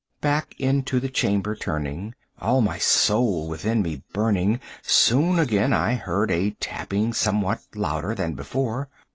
30 Back into the chamber turning, all my soul within me burning, Soon again I heard a tapping somewhat louder than before.